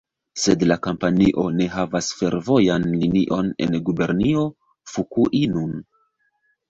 Sed la kompanio ne havas fervojan linion en Gubernio Fukui nun.